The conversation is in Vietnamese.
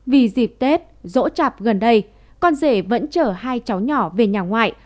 vì dịp tết rỗ chạp gần đây con rể vẫn chở hai cháu nhỏ về nhà ngoại